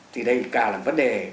thì đây cả là vấn đề